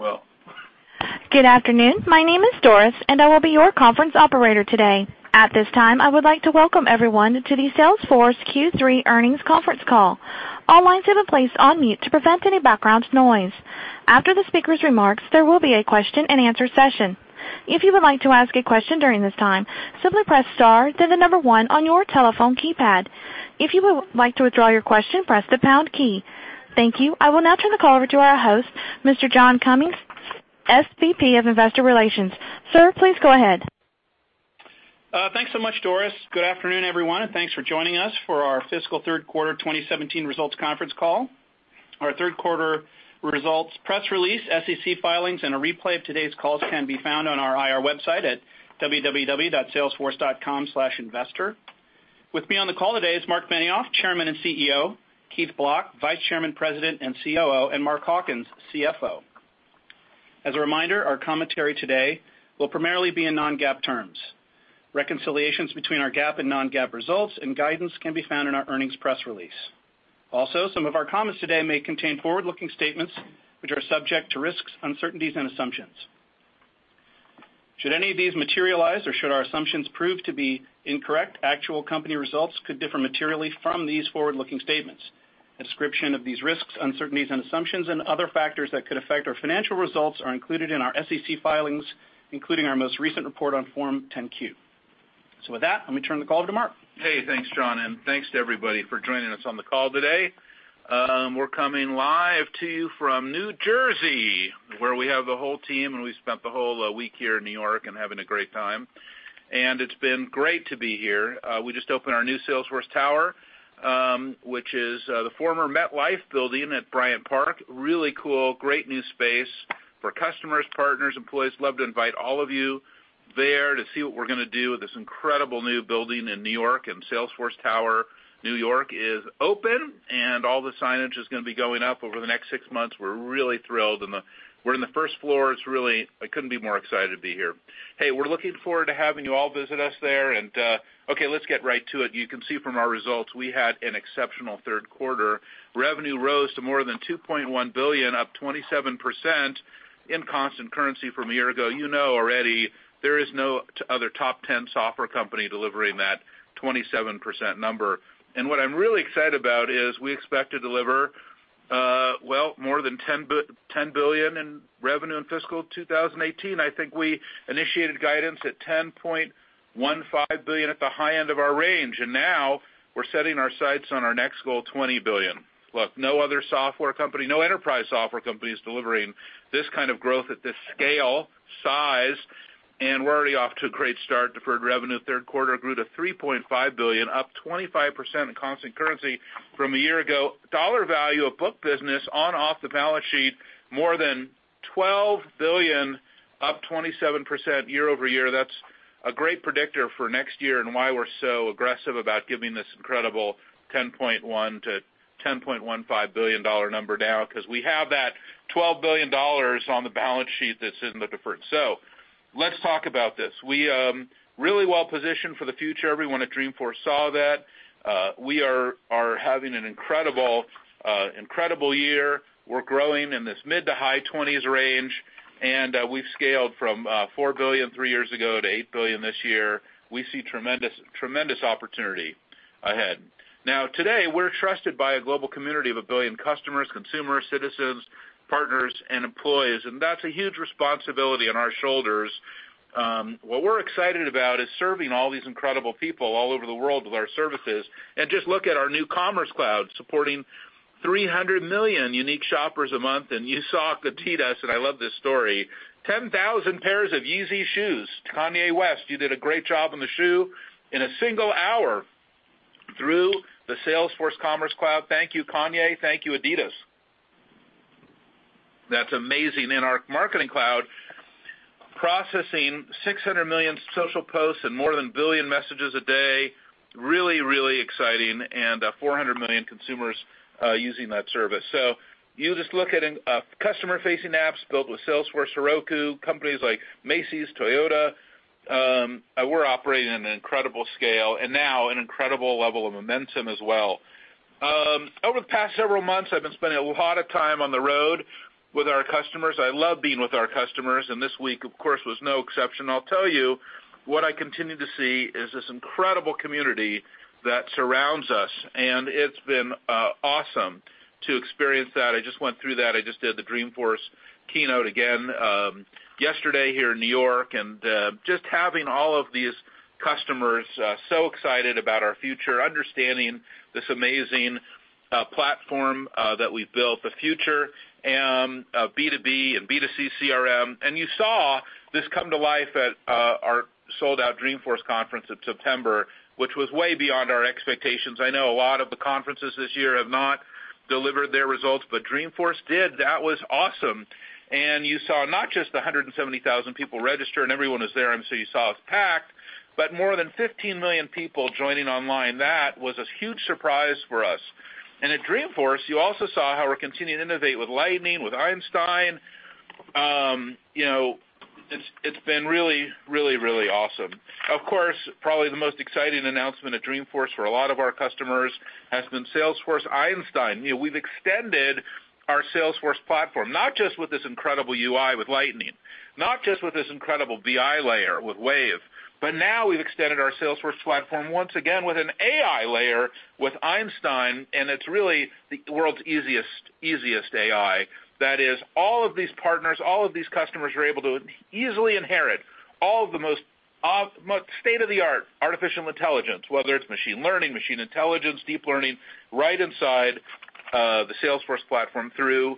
Well. Good afternoon. My name is Doris, and I will be your conference operator today. At this time, I would like to welcome everyone to the Salesforce Q3 earnings conference call. All lines have been placed on mute to prevent any background noise. After the speaker's remarks, there will be a question and answer session. If you would like to ask a question during this time, simply press star, then the number one on your telephone keypad. If you would like to withdraw your question, press the pound key. Thank you. I will now turn the call over to our host, Mr. John Cummings, SVP of Investor Relations. Sir, please go ahead. Thanks so much, Doris. Good afternoon, everyone, and thanks for joining us for our fiscal third quarter 2017 results conference call. Our third quarter results, press release, SEC filings, and a replay of today's calls can be found on our IR website at www.salesforce.com/investor. With me on the call today is Marc Benioff, Chairman and CEO, Keith Block, Vice Chairman, President, and COO, and Mark Hawkins, CFO. As a reminder, our commentary today will primarily be in non-GAAP terms. Reconciliations between our GAAP and non-GAAP results and guidance can be found in our earnings press release. Some of our comments today may contain forward-looking statements, which are subject to risks, uncertainties, and assumptions. Should any of these materialize or should our assumptions prove to be incorrect, actual company results could differ materially from these forward-looking statements. A description of these risks, uncertainties, and assumptions and other factors that could affect our financial results are included in our SEC filings, including our most recent report on Form 10-Q. With that, let me turn the call over to Marc. Hey, thanks, John, and thanks to everybody for joining us on the call today. We're coming live to you from New Jersey, where we have the whole team, and we spent the whole week here in New York and having a great time, and it's been great to be here. We just opened our new Salesforce Tower, which is the former MetLife building at Bryant Park. Really cool, great new space for customers, partners, employees. Love to invite all of you there to see what we're going to do with this incredible new building in New York. Salesforce Tower, New York is open, and all the signage is going to be going up over the next six months. We're really thrilled. We're in the first floor. I couldn't be more excited to be here. Hey, we're looking forward to having you all visit us there. Okay, let's get right to it. You can see from our results, we had an exceptional third quarter. Revenue rose to more than $2.1 billion, up 27% in constant currency from a year ago. You know already there is no other top 10 software company delivering that 27% number. What I'm really excited about is we expect to deliver, well, more than $10 billion in revenue in fiscal 2018. I think we initiated guidance at $10.15 billion at the high end of our range, and now we're setting our sights on our next goal, $20 billion. Look, no other software company, no enterprise software company is delivering this kind of growth at this scale, size. We're already off to a great start. Deferred revenue, third quarter grew to $3.5 billion, up 25% in constant currency from a year ago. Dollar value of book business on or off the balance sheet, more than $12 billion, up 27% year-over-year. That's a great predictor for next year and why we're so aggressive about giving this incredible $10.1 billion-$10.15 billion number now because we have that $12 billion on the balance sheet that's in the deferred. Let's talk about this. We are really well-positioned for the future. Everyone at Dreamforce saw that. We are having an incredible year. We're growing in this mid to high 20s range, and we've scaled from $4 billion three years ago to $8 billion this year. We see tremendous opportunity ahead. Now, today, we're trusted by a global community of a billion customers, consumers, citizens, partners, and employees. That's a huge responsibility on our shoulders. What we're excited about is serving all these incredible people all over the world with our services. Just look at our new Commerce Cloud supporting 300 million unique shoppers a month. You saw Adidas, and I love this story, 10,000 pairs of Yeezy shoes. To Kanye West, you did a great job on the shoe. In a single hour through the Salesforce Commerce Cloud. Thank you, Kanye. Thank you, Adidas. That's amazing. Our Marketing Cloud, processing 600 million social posts and more than a billion messages a day, really exciting. 400 million consumers using that service. You just look at customer-facing apps built with Salesforce Heroku, companies like Macy's, Toyota. We're operating at an incredible scale, and now an incredible level of momentum as well. Over the past several months, I've been spending a lot of time on the road with our customers. I love being with our customers, and this week, of course, was no exception. I'll tell you what I continue to see is this incredible community that surrounds us, and it's been awesome to experience that. I just went through that. I just did the Dreamforce keynote again yesterday here in New York, and just having all of these customers so excited about our future, understanding this amazing platform that we've built, the future, B2B and B2C CRM. You saw this come to life at our sold-out Dreamforce conference in September, which was way beyond our expectations. I know a lot of the conferences this year have not delivered their results, but Dreamforce did. That was awesome. You saw not just the 170,000 people registered, and everyone was there, and so you saw it was packed, but more than 15 million people joining online. That was a huge surprise for us. At Dreamforce, you also saw how we're continuing to innovate with Lightning, with Einstein. It's been really, really, really awesome. Of course, probably the most exciting announcement at Dreamforce for a lot of our customers has been Salesforce Einstein. We've extended our Salesforce platform, not just with this incredible UI with Lightning, not just with this incredible BI layer with Wave, but now we've extended our Salesforce platform once again with an AI layer with Einstein, and it's really the world's easiest AI. That is, all of these partners, all of these customers are able to easily inherit all of the most state-of-the-art artificial intelligence, whether it's machine learning, machine intelligence, deep learning, right inside the Salesforce platform through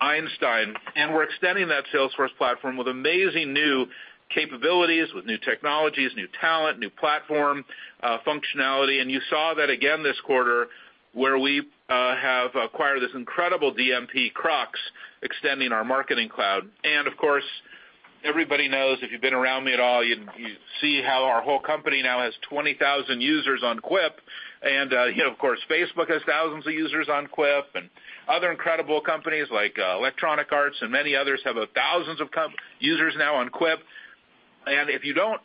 Einstein. We're extending that Salesforce platform with amazing new capabilities, with new technologies, new talent, new platform functionality. You saw that again this quarter, where we have acquired this incredible DMP, Krux, extending our Marketing Cloud. Of course, everybody knows, if you've been around me at all, you see how our whole company now has 20,000 users on Quip. Of course, Facebook has thousands of users on Quip, and other incredible companies like Electronic Arts and many others have thousands of users now on Quip. If you don't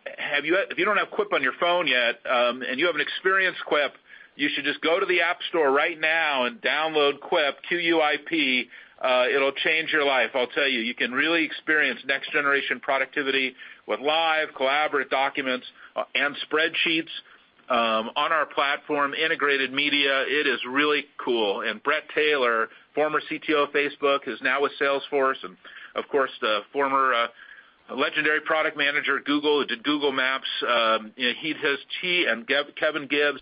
have Quip on your phone yet, and you haven't experienced Quip, you should just go to the App Store right now and download Quip, Q-U-I-P. It'll change your life. I'll tell you. You can really experience next-generation productivity with live collaborate documents and spreadsheets on our platform, integrated media. It is really cool. Bret Taylor, former CTO of Facebook, is now with Salesforce. Of course, the former legendary product manager at Google who did Google Maps, he and Kevin Gibbs,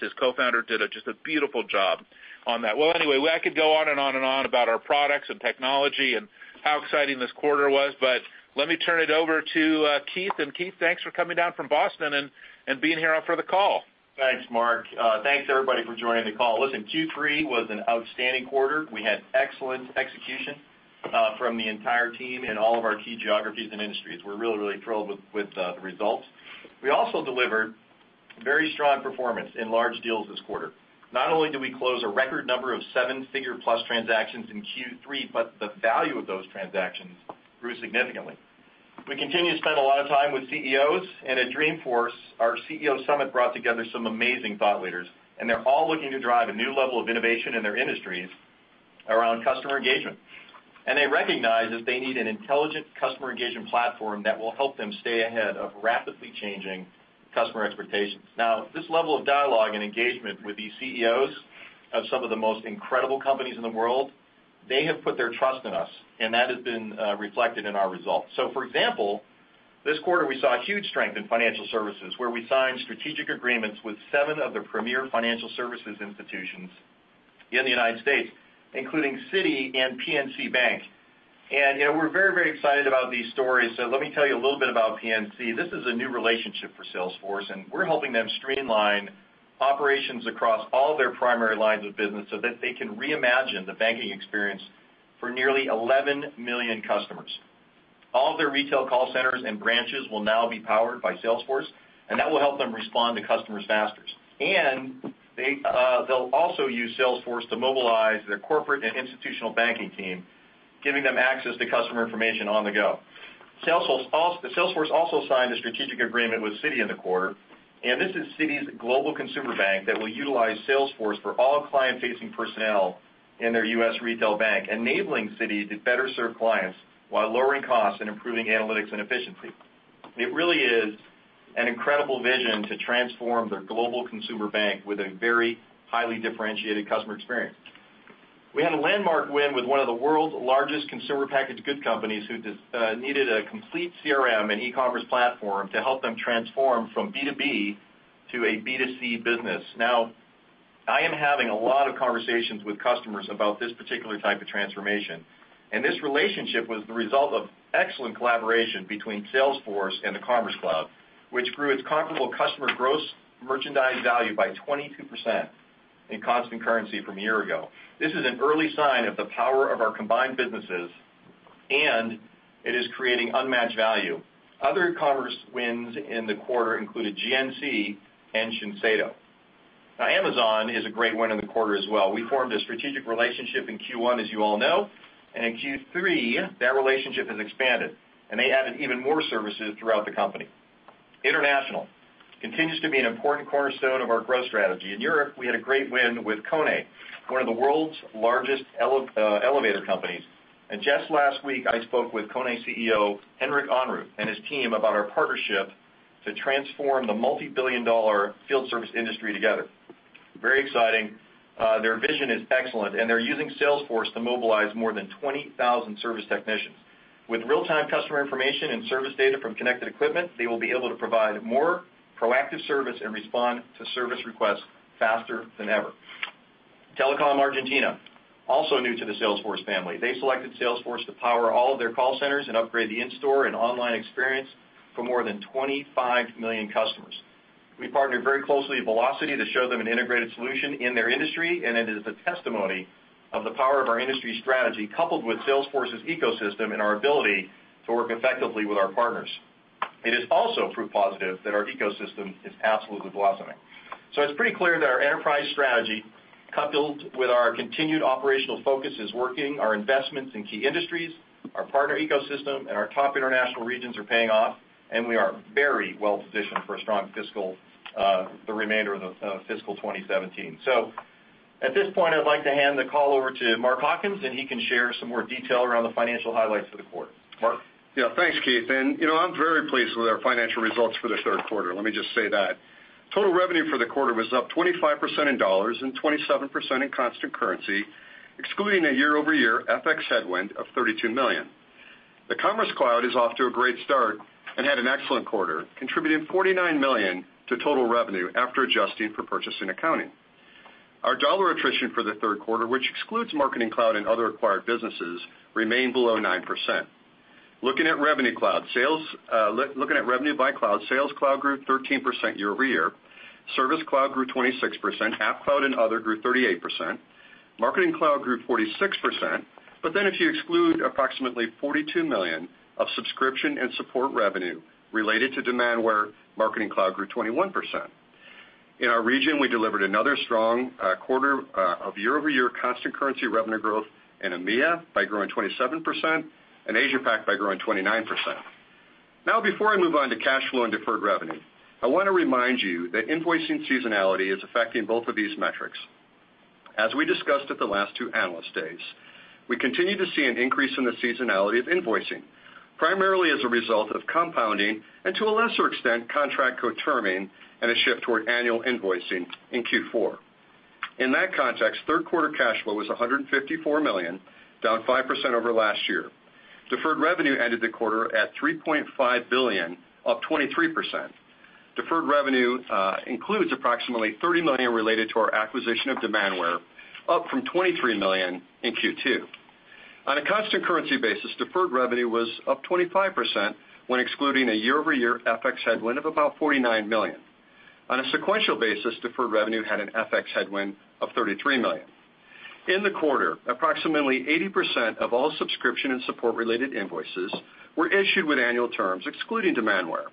his co-founder, did just a beautiful job on that. Well, anyway, I could go on and on and on about our products and technology and how exciting this quarter was, but let me turn it over to Keith. Keith, thanks for coming down from Boston and being here for the call. Thanks, Mark. Thanks, everybody, for joining the call. Listen, Q3 was an outstanding quarter. We had excellent execution from the entire team in all of our key geographies and industries. We're really, really thrilled with the results. We also delivered very strong performance in large deals this quarter. Not only did we close a record number of seven-figure plus transactions in Q3, but the value of those transactions grew significantly. We continue to spend a lot of time with CEOs, and at Dreamforce, our CEO summit brought together some amazing thought leaders, and they're all looking to drive a new level of innovation in their industries around customer engagement. They recognize that they need an intelligent customer engagement platform that will help them stay ahead of rapidly changing customer expectations. This level of dialogue and engagement with these CEOs of some of the most incredible companies in the world, they have put their trust in us, and that has been reflected in our results. For example, this quarter, we saw huge strength in financial services, where we signed strategic agreements with seven of the premier financial services institutions in the U.S., including Citi and PNC Bank. We're very, very excited about these stories. Let me tell you a little bit about PNC. This is a new relationship for Salesforce, and we're helping them streamline operations across all their primary lines of business so that they can reimagine the banking experience for nearly 11 million customers. All of their retail call centers and branches will now be powered by Salesforce, and that will help them respond to customers faster. They'll also use Salesforce to mobilize their corporate and institutional banking team, giving them access to customer information on the go. Salesforce also signed a strategic agreement with Citi in the quarter, and this is Citi's global consumer bank that will utilize Salesforce for all client-facing personnel in their U.S. retail bank, enabling Citi to better serve clients while lowering costs and improving analytics and efficiency. It really is an incredible vision to transform their global consumer bank with a very highly differentiated customer experience. We had a landmark win with one of the world's largest consumer packaged goods companies who needed a complete CRM and e-commerce platform to help them transform from B2B to a B2C business. I am having a lot of conversations with customers about this particular type of transformation, and this relationship was the result of excellent collaboration between Salesforce and the Commerce Cloud, which grew its comparable customer gross merchandise value by 22% in constant currency from a year ago. This is an early sign of the power of our combined businesses, and it is creating unmatched value. Other commerce wins in the quarter included GNC and Shiseido. Amazon is a great win in the quarter as well. We formed a strategic relationship in Q1, as you all know, and in Q3, that relationship has expanded, and they added even more services throughout the company. International continues to be an important cornerstone of our growth strategy. In Europe, we had a great win with KONE, one of the world's largest elevator companies. Just last week, I spoke with KONE CEO, Henrik Ehrnrooth, and his team about our partnership to transform the multi-billion-dollar field service industry together. Very exciting. Their vision is excellent, and they're using Salesforce to mobilize more than 20,000 service technicians. With real-time customer information and service data from connected equipment, they will be able to provide more proactive service and respond to service requests faster than ever. Telecom Argentina, also new to the Salesforce family. They selected Salesforce to power all of their call centers and upgrade the in-store and online experience for more than 25 million customers. We partnered very closely with Velocity to show them an integrated solution in their industry, and it is a testimony of the power of our industry strategy, coupled with Salesforce's ecosystem and our ability to work effectively with our partners. It is also proof positive that our ecosystem is absolutely blossoming. It's pretty clear that our enterprise strategy, coupled with our continued operational focus, is working. Our investments in key industries, our partner ecosystem, and our top international regions are paying off, and we are very well-positioned for a strong remainder of fiscal 2017. At this point, I'd like to hand the call over to Mark Hawkins, and he can share some more detail around the financial highlights for the quarter. Mark? Yeah. Thanks, Keith. I'm very pleased with our financial results for the third quarter, let me just say that. Total revenue for the quarter was up 25% in dollars and 27% in constant currency, excluding a year-over-year FX headwind of $32 million. The Commerce Cloud is off to a great start and had an excellent quarter, contributing $49 million to total revenue after adjusting for purchasing accounting. Our dollar attrition for the third quarter, which excludes Marketing Cloud and other acquired businesses, remained below 9%. Looking at revenue by cloud, Sales Cloud grew 13% year-over-year, Service Cloud grew 26%, App Cloud and other grew 38%, Marketing Cloud grew 46%. If you exclude approximately $42 million of subscription and support revenue related to Demandware, Marketing Cloud grew 21%. In our region, we delivered another strong quarter of year-over-year constant currency revenue growth in EMEA by growing 27% and Asia Pac by growing 29%. Before I move on to cash flow and deferred revenue, I want to remind you that invoicing seasonality is affecting both of these metrics. As we discussed at the last two analyst days, we continue to see an increase in the seasonality of invoicing, primarily as a result of compounding, and to a lesser extent, contract co-termining and a shift toward annual invoicing in Q4. In that context, third quarter cash flow was $154 million, down 5% over last year. Deferred revenue ended the quarter at $3.5 billion, up 23%. Deferred revenue includes approximately $30 million related to our acquisition of Demandware, up from $23 million in Q2. On a constant currency basis, deferred revenue was up 25% when excluding a year-over-year FX headwind of about $49 million. On a sequential basis, deferred revenue had an FX headwind of $33 million. In the quarter, approximately 80% of all subscription and support-related invoices were issued with annual terms, excluding Demandware.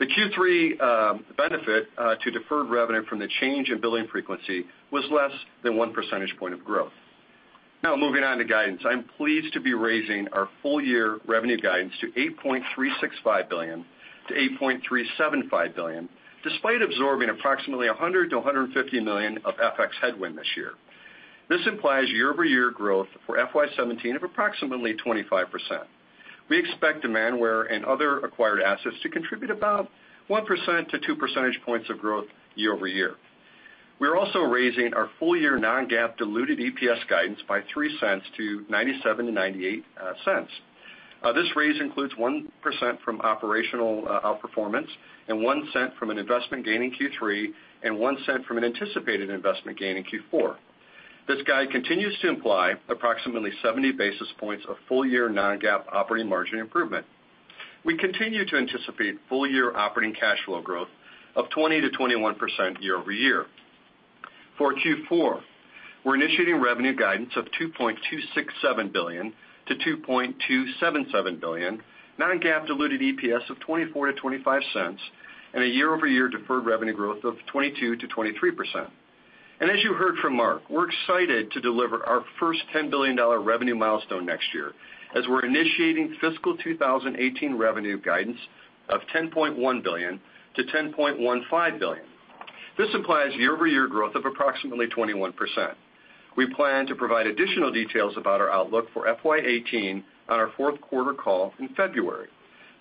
The Q3 benefit to deferred revenue from the change in billing frequency was less than one percentage point of growth. Moving on to guidance. I'm pleased to be raising our full-year revenue guidance to $8.365 billion-$8.375 billion, despite absorbing approximately $100 million-$150 million of FX headwind this year. This implies year-over-year growth for FY 2017 of approximately 25%. We expect Demandware and other acquired assets to contribute about 1% to 2 percentage points of growth year-over-year. We are also raising our full-year non-GAAP diluted EPS guidance by $0.03 to $0.97-$0.98. This raise includes 1% from operational outperformance, $0.01 from an investment gain in Q3, $0.01 from an anticipated investment gain in Q4. This guide continues to imply approximately 70 basis points of full-year non-GAAP operating margin improvement. We continue to anticipate full-year operating cash flow growth of 20%-21% year-over-year. For Q4, we're initiating revenue guidance of $2.267 billion-$2.277 billion, non-GAAP diluted EPS of $0.24-$0.25, and a year-over-year deferred revenue growth of 22%-23%. As you heard from Mark, we're excited to deliver our first $10 billion revenue milestone next year, as we're initiating FY 2018 revenue guidance of $10.1 billion-$10.15 billion. This implies year-over-year growth of approximately 21%. We plan to provide additional details about our outlook for FY 2018 on our fourth quarter call in February.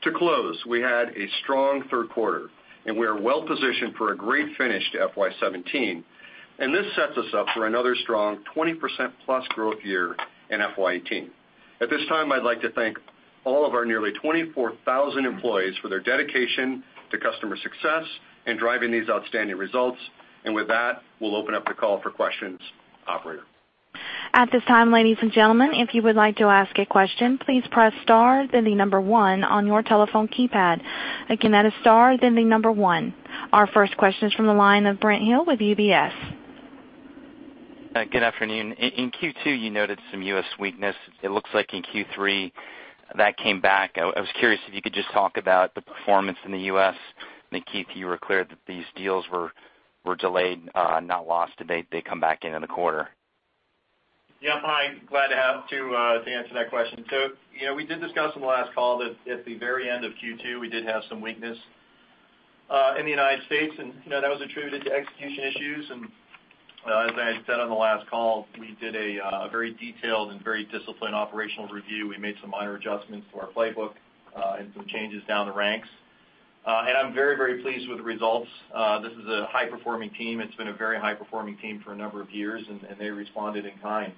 To close, we had a strong third quarter, we are well-positioned for a great finish to FY 2017, this sets us up for another strong 20%+ growth year in FY 2018. At this time, I'd like to thank all of our nearly 24,000 employees for their dedication to customer success and driving these outstanding results. With that, we'll open up the call for questions. Operator? At this time, ladies and gentlemen, if you would like to ask a question, please press star, then the number 1 on your telephone keypad. Again, that is star, then the number 1. Our first question is from the line of Brent Thill with UBS. Good afternoon. In Q2, you noted some U.S. weakness. It looks like in Q3, that came back. I was curious if you could just talk about the performance in the U.S. Keith, you were clear that these deals were delayed, not lost. Did they come back in in the quarter? Yeah. I'm glad to answer that question. We did discuss on the last call that at the very end of Q2, we did have some weakness in the U.S., and that was attributed to execution issues. As I said on the last call, we did a very detailed and very disciplined operational review. We made some minor adjustments to our playbook, and some changes down the ranks. I'm very, very pleased with the results. This is a high-performing team. It's been a very high-performing team for a number of years, and they responded in kind.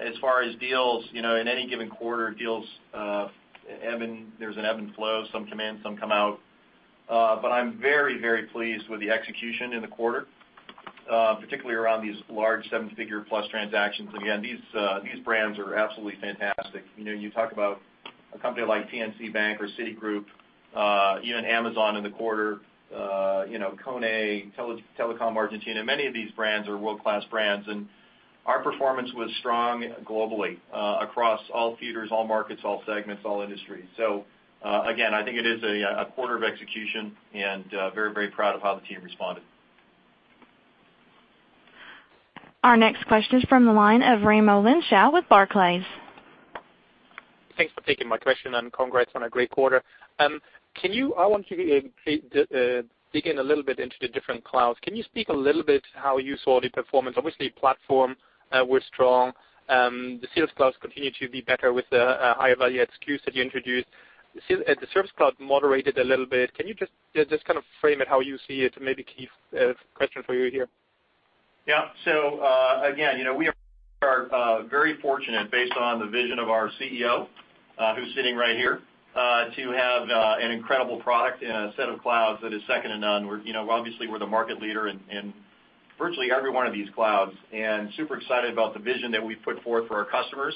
As far as deals, in any given quarter, there's an ebb and flow. Some come in, some come out. I'm very, very pleased with the execution in the quarter, particularly around these large seven-figure plus transactions. Again, these brands are absolutely fantastic. You talk about a company like PNC Bank or Citigroup, even Amazon in the quarter. KONE, Telecom Argentina, many of these brands are world-class brands. Our performance was strong globally, across all theaters, all markets, all segments, all industries. Again, I think it is a quarter of execution, and very proud of how the team responded. Our next question is from the line of Raimo Lenschow with Barclays. Thanks for taking my question, and congrats on a great quarter. I want to dig in a little bit into the different clouds. Can you speak a little bit how you saw the performance? Obviously, Platform were strong. The Sales Cloud continue to be better with the higher value SKUs that you introduced. The Service Cloud moderated a little bit. Can you just kind of frame it how you see it? Maybe, Keith, question for you here. Yeah. Again, we are very fortunate based on the vision of our CEO, who is sitting right here, to have an incredible product and a set of clouds that is second to none. Obviously, we are the market leader in virtually every one of these clouds, and super excited about the vision that we have put forth for our customers.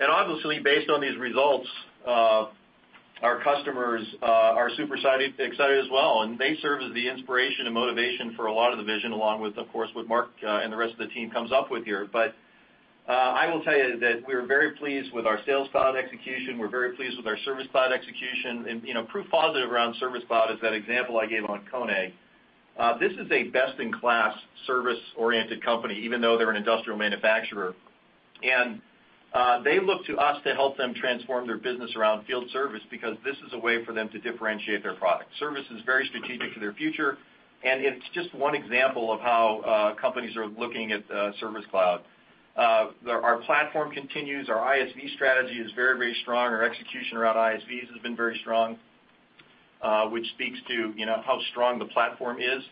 Obviously, based on these results, our customers are super excited as well, and they serve as the inspiration and motivation for a lot of the vision, along with, of course, what Mark and the rest of the team comes up with here. I will tell you that we are very pleased with our Sales Cloud execution. We are very pleased with our Service Cloud execution. Proof positive around Service Cloud is that example I gave on KONE. This is a best-in-class service-oriented company, even though they are an industrial manufacturer. They look to us to help them transform their business around field service, because this is a way for them to differentiate their product. Service is very strategic to their future, and it is just one example of how companies are looking at Service Cloud. Our Platform continues. Our ISV strategy is very strong. Our execution around ISVs has been very strong, which speaks to how strong the Platform is.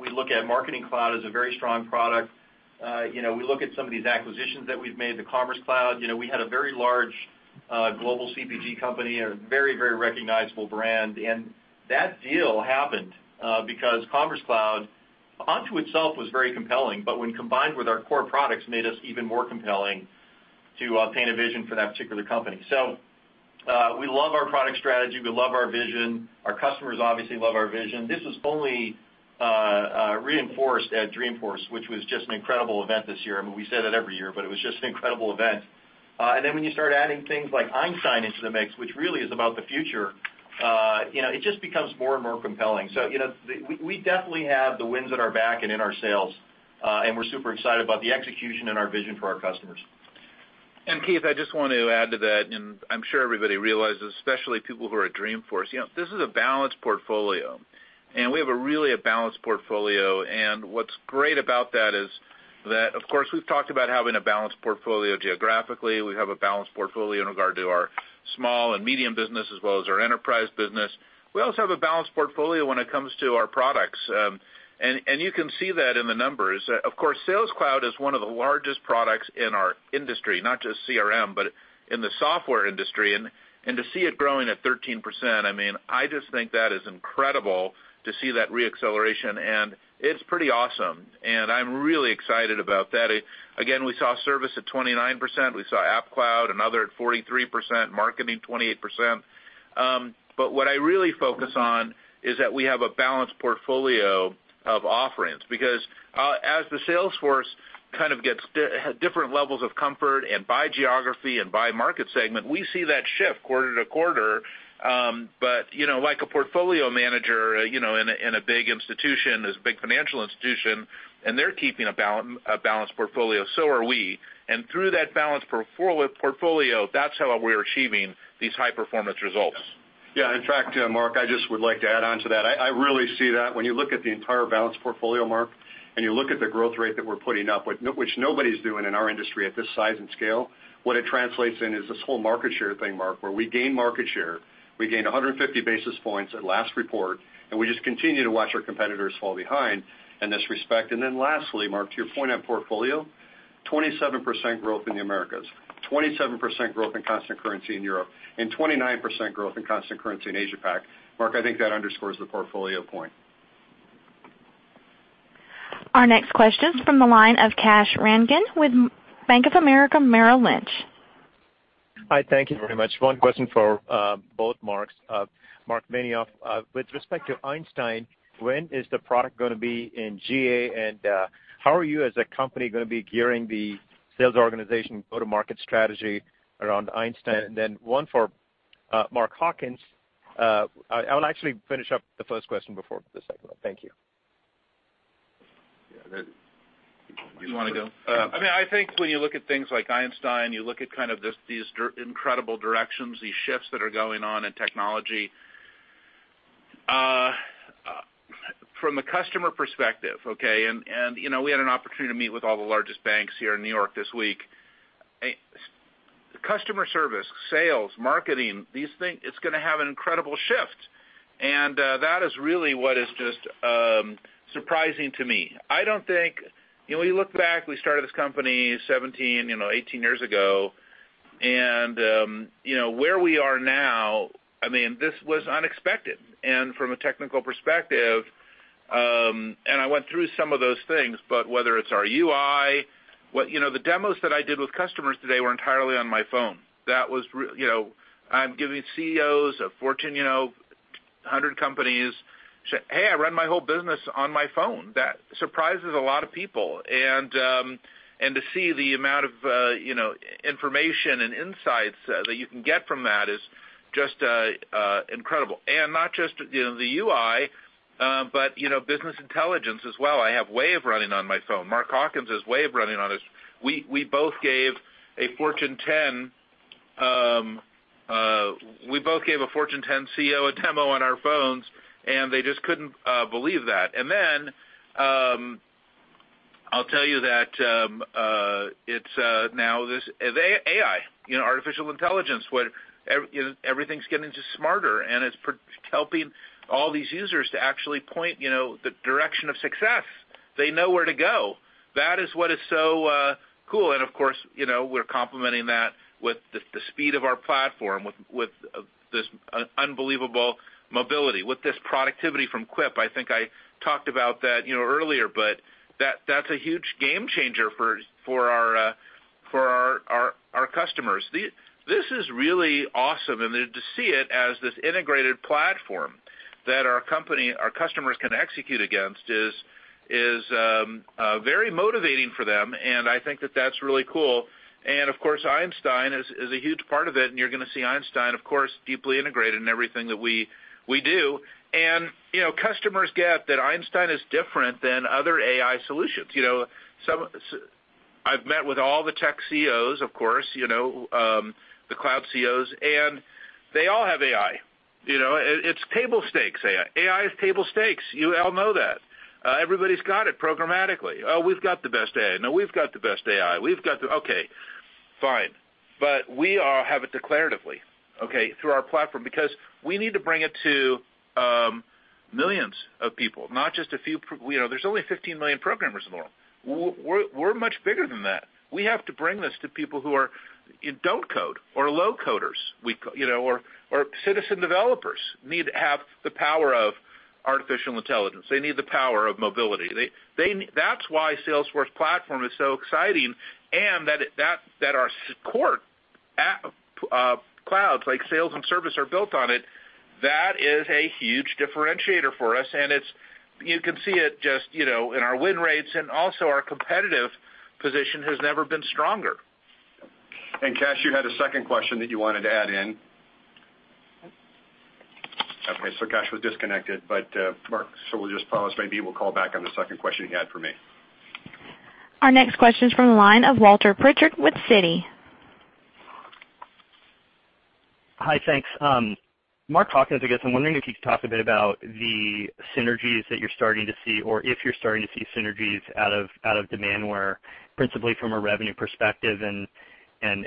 We look at Marketing Cloud as a very strong product. We look at some of these acquisitions that we have made, the Commerce Cloud. We had a very large global CPG company, a very recognizable brand, that deal happened, because Commerce Cloud onto itself was very compelling, but when combined with our core products, made us even more compelling to paint a vision for that particular company. We love our product strategy. We love our vision. Our customers obviously love our vision. This was only reinforced at Dreamforce, which was just an incredible event this year. We say that every year, but it was just an incredible event. When you start adding things like Einstein into the mix, which really is about the future, it just becomes more and more compelling. We definitely have the winds at our back and in our sails, and we are super excited about the execution and our vision for our customers. Keith, I just want to add to that, I am sure everybody realizes, especially people who are at Dreamforce, this is a balanced portfolio, We have really a balanced portfolio, what is great about that is that, of course, we have talked about having a balanced portfolio geographically. We have a balanced portfolio in regard to our small and medium business, as well as our enterprise business. We also have a balanced portfolio when it comes to our products. You can see that in the numbers. Of course, Sales Cloud is one of the largest products in our industry, not just CRM, but in the software industry. To see it growing at 13%, I just think that is incredible to see that re-acceleration, and it is pretty awesome. I am really excited about that. Again, we saw service at 29%. We saw App Cloud, another at 43%, marketing, 28%. What I really focus on is that we have a balanced portfolio of offerings, because as the Salesforce kind of gets different levels of comfort, by geography and by market segment, we see that shift quarter-to-quarter. Like a portfolio manager in a big institution, this big financial institution, they're keeping a balanced portfolio, so are we. Through that balanced portfolio, that's how we're achieving these high-performance results. Yeah. In fact, Mark, I just would like to add onto that. I really see that when you look at the entire balanced portfolio, Mark, you look at the growth rate that we're putting up, which nobody's doing in our industry at this size and scale, what it translates in is this whole market share thing, Mark, where we gain market share. We gained 150 basis points at last report, we just continue to watch our competitors fall behind in this respect. Then lastly, Mark, to your point on portfolio, 27% growth in the Americas, 27% growth in constant currency in Europe, 29% growth in constant currency in Asia Pac. Mark, I think that underscores the portfolio point. Our next question is from the line of Kash Rangan with Bank of America Merrill Lynch. Hi, thank you very much. One question for both Marks. Marc Benioff, with respect to Einstein, when is the product going to be in GA, how are you as a company going to be gearing the Sales organization go-to-market strategy around Einstein? Then one for Mark Hawkins. I'll actually finish up the first question before the second one. Thank you. You want to go? I think when you look at things like Einstein, you look at kind of these incredible directions, these shifts that are going on in technology. From a customer perspective, okay, we had an opportunity to meet with all the largest banks here in New York this week. Customer service, sales, marketing, these things, it's going to have an incredible shift, that is really what is just surprising to me. When you look back, we started this company 17, 18 years ago, where we are now, this was unexpected. From a technical perspective I went through some of those things, but whether it's our UI, the demos that I did with customers today were entirely on my phone. I'm giving CEOs of Fortune 100 companies, say, "Hey, I run my whole business on my phone." That surprises a lot of people. To see the amount of information and insights that you can get from that is just incredible. Not just the UI, but business intelligence as well. I have Wave running on my phone. Mark Hawkins has Wave running on his. We both gave a Fortune 10 CEO a demo on our phones, they just couldn't believe that. I'll tell you that, it's now this AI, artificial intelligence, where everything's getting just smarter, it's helping all these users to actually point the direction of success. They know where to go. That is what is so cool. Of course, we're complementing that with the speed of our platform, with this unbelievable mobility, with this productivity from Quip. I think I talked about that earlier, that's a huge game changer for our customers. This is really awesome. Then to see it as this integrated platform that our customers can execute against is very motivating for them. I think that that's really cool. Of course, Einstein is a huge part of it, you're going to see Einstein, of course, deeply integrated in everything that we do. Customers get that Einstein is different than other AI solutions. I've met with all the tech CEOs, of course, the cloud CEOs, they all have AI. It's table stakes AI. AI is table stakes. You all know that. Everybody's got it programmatically. "Oh, we've got the best AI. No, we've got the best AI. We've got the" Okay, fine. We all have it declaratively, okay, through our platform, because we need to bring it to millions of people, not just a few. There's only 15 million programmers in the world. We're much bigger than that. We have to bring this to people who don't code or are low coders, or citizen developers need to have the power of artificial intelligence. They need the power of mobility. That's why Salesforce platform is so exciting, that our support clouds like sales and service are built on it. That is a huge differentiator for us, you can see it just in our win rates our competitive position has never been stronger. Kash, you had a second question that you wanted to add in? Kash was disconnected, but Mark, so we'll just pause. Maybe we'll call back on the second question he had for me. Our next question is from the line of Walter Pritchard with Citi. Hi, thanks. Mark Hawkins, I guess I'm wondering if you could talk a bit about the synergies that you're starting to see or if you're starting to see synergies out of Demandware, principally from a revenue perspective. I'm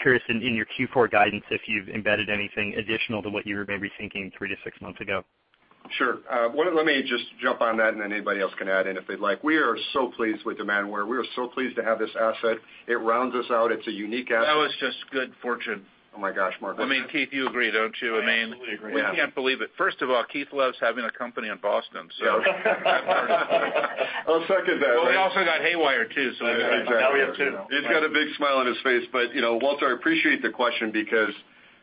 curious in your Q4 guidance, if you've embedded anything additional to what you were maybe thinking three to six months ago. Sure. Let me just jump on that, and then anybody else can add in if they'd like. We are so pleased with Demandware. We are so pleased to have this asset. It rounds us out. It's a unique asset. That was just good fortune. Oh my gosh, Mark. I mean, Keith, you agree, don't you? I absolutely agree. We can't believe it. First of all, Keith loves having a company in Boston. I'll second that. Well, we also got HeyWire too. Now we have two. He's got a big smile on his face. Walter, I appreciate the question because,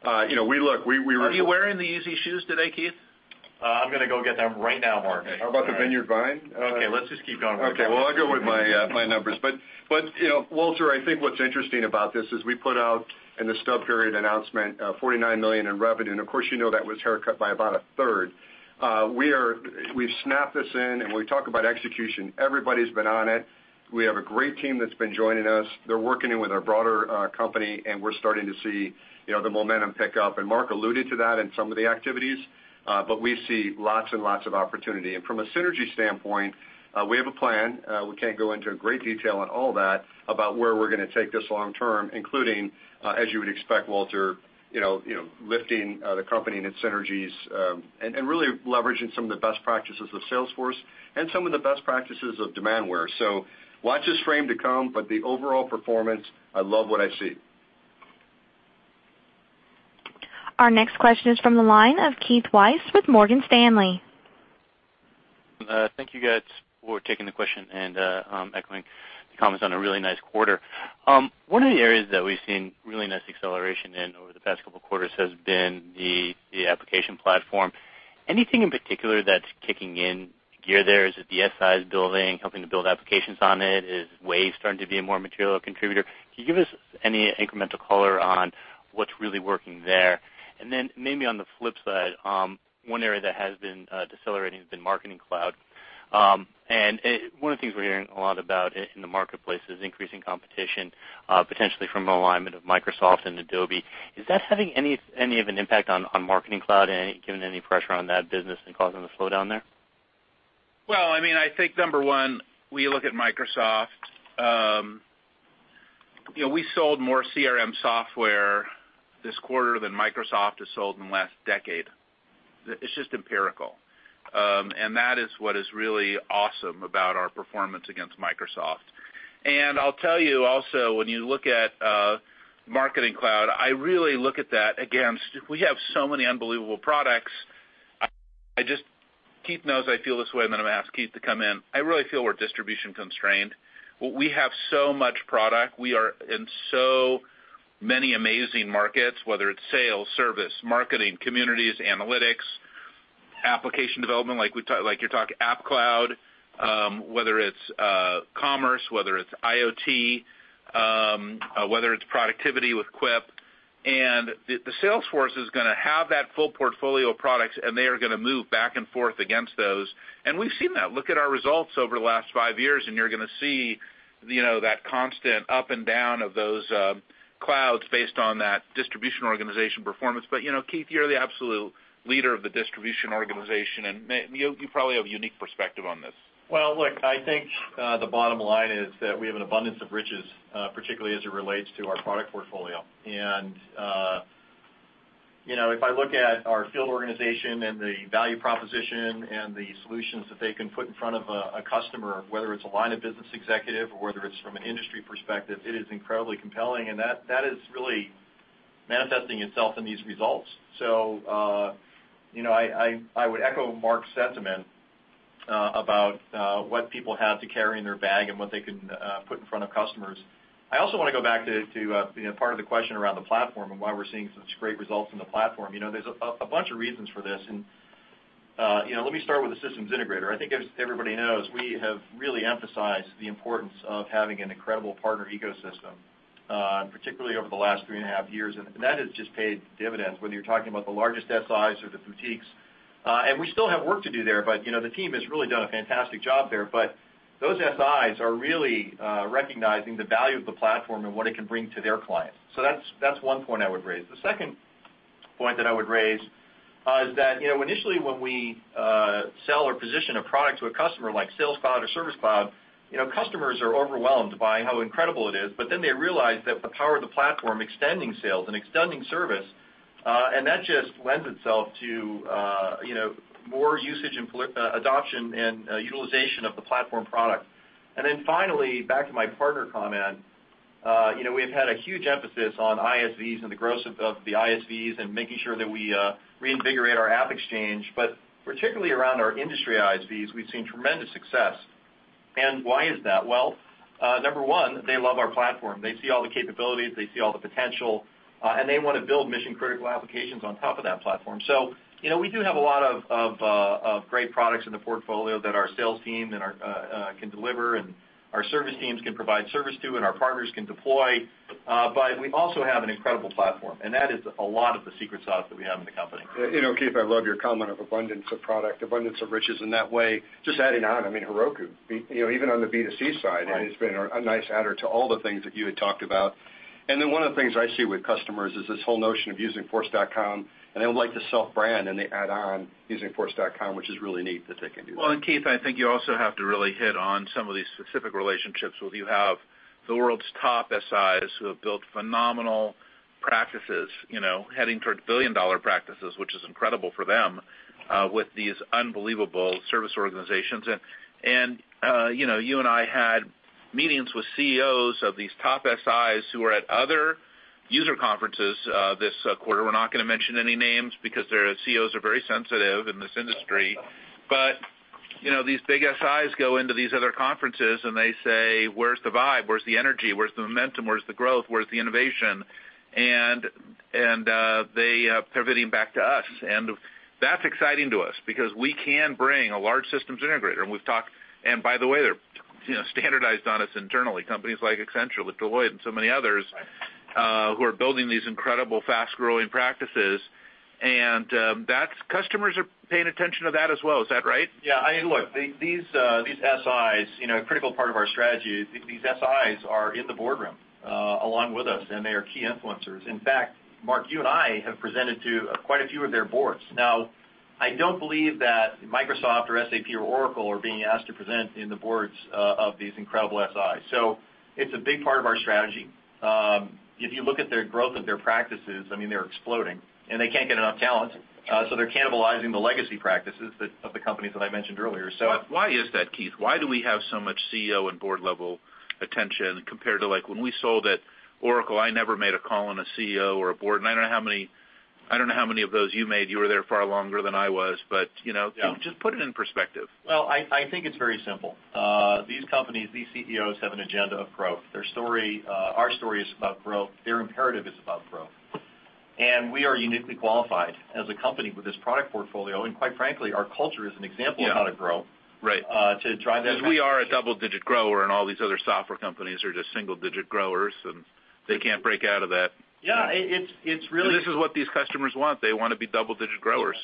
look. Are you wearing the Yeezy shoes today, Keith? I'm going to go get them right now, Mark. How about the Vineyard Vines? Okay, let's just keep going with that one. Okay, well, I'll go with my numbers. Walter, I think what's interesting about this is we put out in the stub period announcement, $49 million in revenue, of course, you know that was haircut by about a third. We've snapped this in, when we talk about execution, everybody's been on it. We have a great team that's been joining us. They're working in with our broader company, we're starting to see the momentum pick up. Mark alluded to that in some of the activities. We see lots and lots of opportunity. From a synergy standpoint, we have a plan. We can't go into great detail on all that, about where we're going to take this long term, including, as you would expect, Walter, lifting the company and its synergies, and really leveraging some of the best practices of Salesforce and some of the best practices of Demandware. Watch this frame to come, but the overall performance, I love what I see. Our next question is from the line of Keith Weiss with Morgan Stanley. Thank you guys for taking the question and echoing the comments on a really nice quarter. One of the areas that we've seen really nice acceleration in over the past couple of quarters has been the application platform. Anything in particular that's kicking in gear there? Is it the FSI is building, helping to build applications on it? Is Wave starting to be a more material contributor? Can you give us any incremental color on what's really working there? Maybe on the flip side, one area that has been decelerating has been Marketing Cloud. One of the things we're hearing a lot about in the marketplace is increasing competition, potentially from alignment of Microsoft and Adobe. Is that having any of an impact on Marketing Cloud and giving any pressure on that business and causing the slowdown there? I think number one, we look at Microsoft. We sold more CRM software this quarter than Microsoft has sold in the last decade. It's just empirical. That is what is really awesome about our performance against Microsoft. I'll tell you also, when you look at Marketing Cloud. I really look at that. We have so many unbelievable products. Keith knows I feel this way. I'm going to ask Keith to come in. I really feel we're distribution constrained. We have so much product. We are in so many amazing markets, whether it's sales, service, marketing, communities, analytics, application development, like you're talking App Cloud, whether it's commerce, whether it's IoT, whether it's productivity with Quip. The sales force is going to have that full portfolio of products. They are going to move back and forth against those. We've seen that. Look at our results over the last five years. You're going to see that constant up and down of those clouds based on that distribution organization performance. Keith, you're the absolute leader of the distribution organization. You probably have a unique perspective on this. I think the bottom line is that we have an abundance of riches, particularly as it relates to our product portfolio. If I look at our field organization and the value proposition and the solutions that they can put in front of a customer, whether it's a line of business executive or whether it's from an industry perspective, it is incredibly compelling. That is really manifesting itself in these results. I would echo Mark's sentiment about what people have to carry in their bag and what they can put in front of customers. I also want to go back to part of the question around the platform and why we're seeing such great results in the platform. There's a bunch of reasons for this. Let me start with the systems integrator. I think as everybody knows, we have really emphasized the importance of having an incredible partner ecosystem, particularly over the last three and a half years, and that has just paid dividends, whether you're talking about the largest SIs or the boutiques. We still have work to do there, but the team has really done a fantastic job there. Those SIs are really recognizing the value of the platform and what it can bring to their clients. That's one point I would raise. The second point that I would raise is that, initially when we sell or position a product to a customer like Sales Cloud or Service Cloud, customers are overwhelmed by how incredible it is. They realize that the power of the platform extending sales and extending service, and that just lends itself to more usage and adoption and utilization of the platform product. Finally, back to my partner comment, we've had a huge emphasis on ISVs and the growth of the ISVs and making sure that we reinvigorate our AppExchange. Particularly around our industry ISVs, we've seen tremendous success. Why is that? Well, number one, they love our platform. They see all the capabilities, they see all the potential, and they want to build mission-critical applications on top of that platform. We do have a lot of great products in the portfolio that our sales team can deliver and our service teams can provide service to, and our partners can deploy. We also have an incredible platform, and that is a lot of the secret sauce that we have in the company. Keith, I love your comment of abundance of product, abundance of riches in that way. Just adding on, Heroku, even on the B2C side, has been a nice adder to all the things that you had talked about. One of the things I see with customers is this whole notion of using Force.com, and they would like to self-brand, and they add on using Force.com, which is really neat that they can do that. Keith, I think you also have to really hit on some of these specific relationships, where you have the world's top SIs who have built phenomenal practices, heading towards billion-dollar practices, which is incredible for them, with these unbelievable service organizations. You and I had meetings with CEOs of these top SIs who were at other user conferences, this quarter. We're not going to mention any names because their CEOs are very sensitive in this industry. These big SIs go into these other conferences, and they say, "Where's the vibe? Where's the energy? Where's the momentum? Where's the growth? Where's the innovation?" They are pivoting back to us. That's exciting to us because we can bring a large systems integrator, and we've talked, and by the way, they're standardized on us internally, companies like Accenture, like Deloitte, and so many others who are building these incredible, fast-growing practices. Customers are paying attention to that as well. Is that right? Yeah. Look, these SIs, a critical part of our strategy, these SIs are in the boardroom, along with us, and they are key influencers. In fact, Mark, you and I have presented to quite a few of their boards. I don't believe that Microsoft or SAP or Oracle are being asked to present in the boards of these incredible SIs. It's a big part of our strategy. If you look at their growth of their practices, they're exploding, and they can't get enough talent, so they're cannibalizing the legacy practices of the companies that I mentioned earlier. Why is that, Keith? Why do we have so much CEO and board-level attention compared to, like, when we sold at Oracle, I never made a call on a CEO or a board, and I don't know how many of those you made. You were there far longer than I was. Yeah, just put it in perspective. I think it's very simple. These companies, these CEOs have an agenda of growth. Our story is about growth. Their imperative is about growth. We are uniquely qualified as a company with this product portfolio, and quite frankly, our culture is an example of how to grow. Right. Because we are a double-digit grower, and all these other software companies are just single-digit growers, and they can't break out of that. This is what these customers want. They want to be double-digit growers.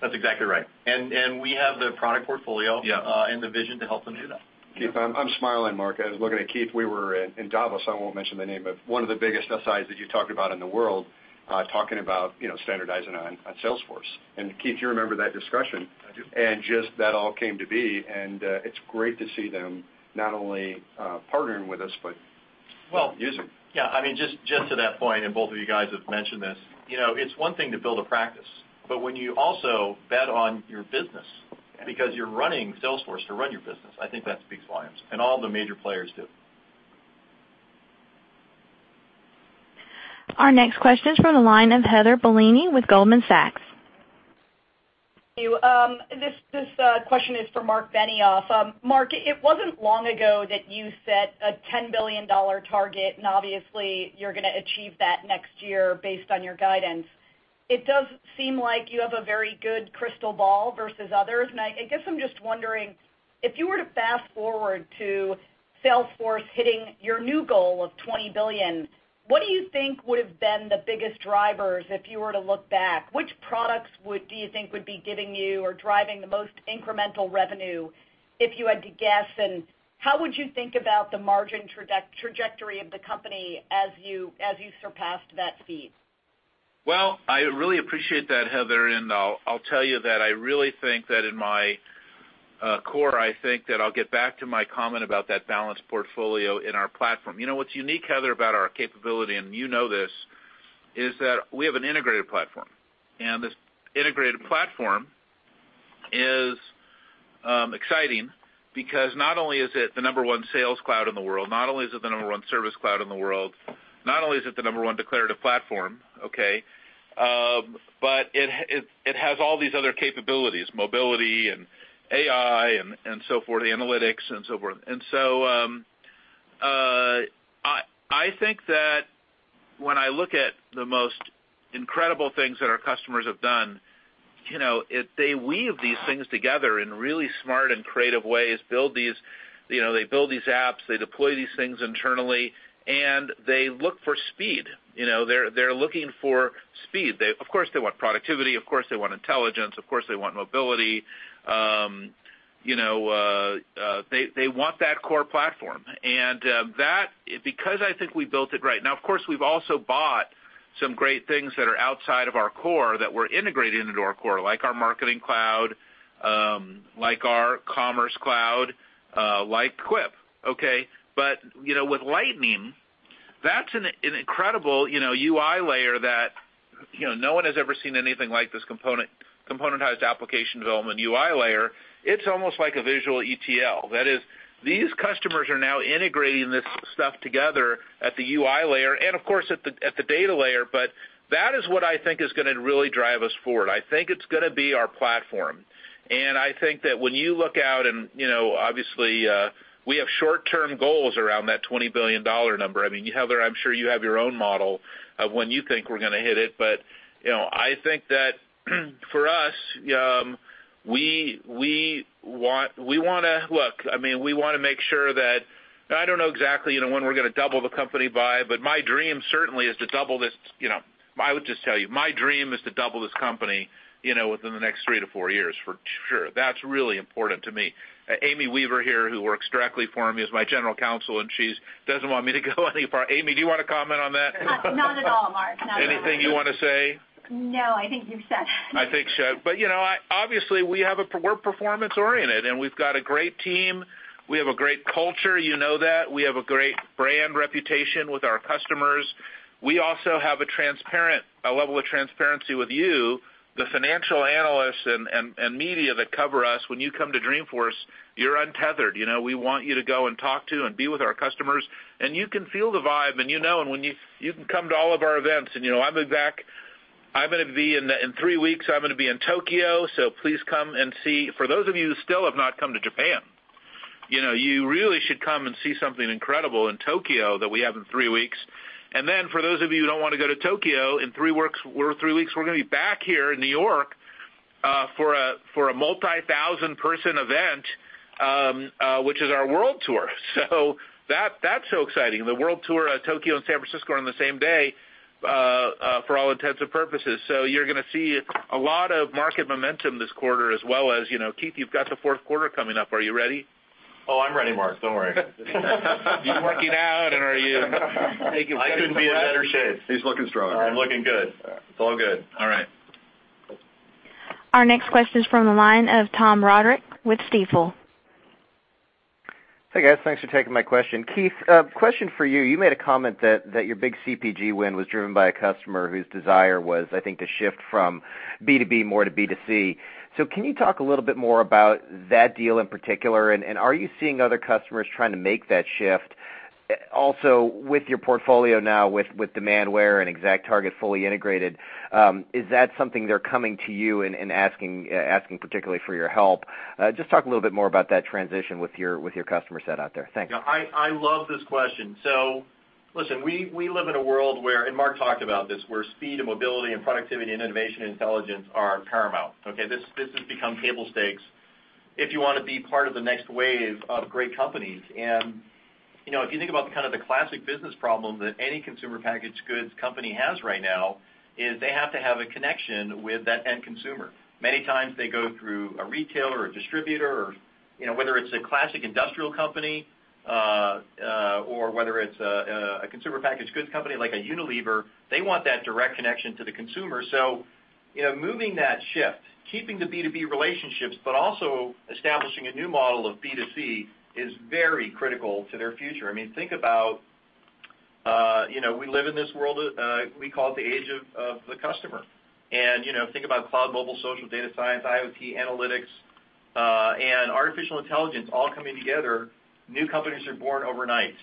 That's exactly right. We have the product portfolio and the vision to help them do that. Keith, I'm smiling, Mark. I was looking at Keith. We were in Davos, I won't mention the name, but one of the biggest SIs that you talked about in the world, talking about standardizing on Salesforce. Keith, you remember that discussion. I do. Just that all came to be, and it's great to see them not only partnering with us, but using. Yeah. Just to that point, and both of you guys have mentioned this, it's one thing to build a practice, but when you also bet on your business because you're running Salesforce to run your business. I think that speaks volumes, and all the major players do. Our next question is from the line of Heather Bellini with Goldman Sachs. Thank you. This question is for Marc Benioff. Marc, it wasn't long ago that you set a $10 billion target. Obviously, you're going to achieve that next year based on your guidance. It does seem like you have a very good crystal ball versus others. I guess I'm just wondering, if you were to fast-forward to Salesforce hitting your new goal of $20 billion, what do you think would've been the biggest drivers if you were to look back? Which products do you think would be giving you or driving the most incremental revenue if you had to guess? How would you think about the margin trajectory of the company as you surpassed that feat? Well, I really appreciate that, Heather. I'll tell you that I really think that in my core, I think that I'll get back to my comment about that balanced portfolio in our platform. What's unique, Heather, about our capability, you know this, is that we have an integrated platform. This integrated platform is exciting because not only is it the number one Sales Cloud in the world, not only is it the number one Service Cloud in the world, not only is it the number one declarative platform, okay, but it has all these other capabilities, mobility and AI and so forth, analytics and so forth. I think that when I look at the most incredible things that our customers have done, they weave these things together in really smart and creative ways. They build these apps, they deploy these things internally. They look for speed. They're looking for speed. Of course, they want productivity. Of course, they want intelligence. Of course, they want mobility. They want that core platform. Because I think we built it right. Now, of course, we've also bought some great things that are outside of our core that we're integrating into our core, like our Marketing Cloud, like our Commerce Cloud, like Quip, okay? With Lightning, that's an incredible UI layer that no one has ever seen anything like this componentized application development UI layer. It's almost like a visual ETL. That is, these customers are now integrating this stuff together at the UI layer and, of course, at the data layer. That is what I think is going to really drive us forward. I think it's going to be our platform. I think that when you look out, obviously, we have short-term goals around that $20 billion number. Heather, I'm sure you have your own model of when you think we're going to hit it. I think that for us, look, we want to make sure that, I don't know exactly when we're going to double the company by. My dream certainly is to double this. I would just tell you, my dream is to double this company within the next three to four years, for sure. That's really important to me. Amy Weaver here, who works directly for me, is my General Counsel. She doesn't want me to go any far. Amy, do you want to comment on that? Not at all, Marc. Not at all. Anything you want to say? No, I think you've said enough. I think so. Obviously, we're performance-oriented, and we've got a great team. We have a great culture, you know that. We have a great brand reputation with our customers. We also have a level of transparency with you, the financial analysts and media that cover us. When you come to Dreamforce, you're untethered. We want you to go and talk to and be with our customers. You can feel the vibe, and you know, and when you come to all of our events, and I'm exact. In three weeks, I'm going to be in Tokyo, so please come and see. For those of you who still have not come to Japan, you really should come and see something incredible in Tokyo that we have in three weeks. For those of you who don't want to go to Tokyo, in three weeks, we're going to be back here in New York, for a multi-thousand-person event, which is our World Tour. That's so exciting. The World Tour, Tokyo, and San Francisco are on the same day, for all intents and purposes. You're going to see a lot of market momentum this quarter as well as, Keith, you've got the fourth quarter coming up. Are you ready? I'm ready, Marc. Don't worry. You working out, and are you taking vitamin supplements? I couldn't be in better shape. He's looking stronger. I'm looking good. It's all good. All right. Our next question is from the line of Tom Roderick with Stifel. Hey, guys. Thanks for taking my question. Keith, question for you. You made a comment that your big CPG win was driven by a customer whose desire was, I think, to shift from B2B more to B2C. Can you talk a little bit more about that deal in particular, and are you seeing other customers trying to make that shift? Also, with your portfolio now, with Demandware and ExactTarget fully integrated, is that something they're coming to you and asking particularly for your help? Just talk a little bit more about that transition with your customer set out there. Thanks. Yeah. I love this question. Listen, we live in a world where, and Marc talked about this, where speed and mobility and productivity and innovation and intelligence are paramount, okay? This has become table stakes if you want to be part of the next wave of great companies. If you think about the classic business problem that any consumer packaged goods company has right now is they have to have a connection with that end consumer. Many times, they go through a retailer or distributor or whether it's a classic industrial company, or whether it's a consumer packaged goods company like a Unilever, they want that direct connection to the consumer. Moving that shift, keeping the B2B relationships, but also establishing a new model of B2C is very critical to their future. Think about We live in this world, we call it the age of the customer. Think about cloud, mobile, social data, science, IoT, analytics, and artificial intelligence all coming together. New companies are born overnight.